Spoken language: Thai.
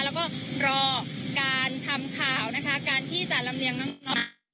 แล้วก็รอการทำข่าวนะคะการที่จะลำเลียงน้อง